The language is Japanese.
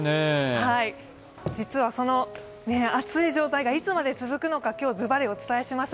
実はその暑い状態がいつまで続くのか、ズバリお伝えします。